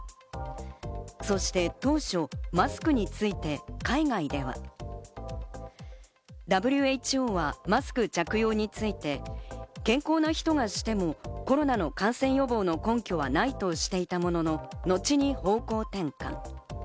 そして当初、マスクについて海外では、ＷＨＯはマスク着用について、健康な人がしてもコロナの感染予防の根拠はないとしていたものの、のちに方向転換。